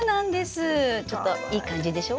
ちょっといい感じでしょ？